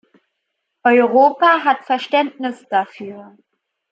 Europa hat Verständnis dafür.